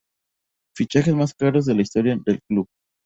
Fichajes más caros en la historia del club.